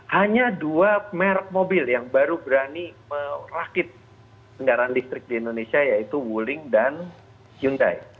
hanya dua merek mobil yang baru berani merakit kendaraan listrik di indonesia yaitu wuling dan hyundai